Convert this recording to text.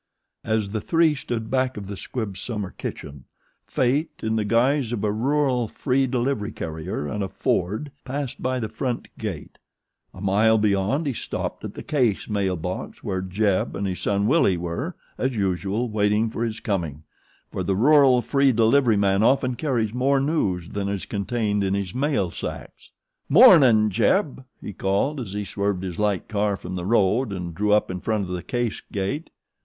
As the three stood back of the Squibbs' summer kitchen Fate, in the guise of a rural free delivery carrier and a Ford, passed by the front gate. A mile beyond he stopped at the Case mail box where Jeb and his son Willie were, as usual, waiting his coming, for the rural free delivery man often carries more news than is contained in his mail sacks. "Mornin' Jeb," he called, as he swerved his light car from the road and drew up in front of the Case gate.